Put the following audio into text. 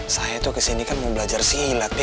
saya tuh kesini kan mau belajar silat deh